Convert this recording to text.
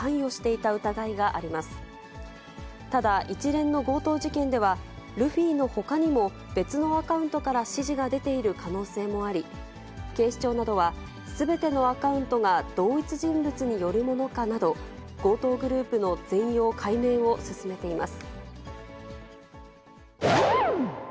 ただ、一連の強盗事件では、ルフィのほかにも、別のアカウントから指示が出ている可能性もあり、警視庁などは、すべてのアカウントが同一人物によるものかなど、強盗グループの全容解明を進めています。